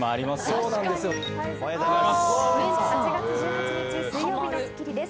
おはようございます。